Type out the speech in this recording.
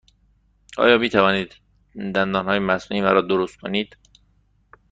آیا می توانید دندانهای مصنوعی مرا درست کنید؟